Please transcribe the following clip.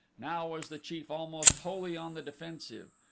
Now was the chief almost wholly on the defensive.